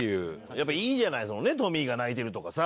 やっぱいいじゃないトミーが泣いてるとかさ。